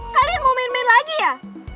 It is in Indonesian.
kalian mau main main lagi ya